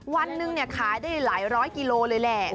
วันหนึ่งขายได้หลายร้อยกิโลเลยแหละ